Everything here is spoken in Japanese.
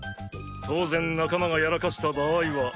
当然仲間がやらかした場合は。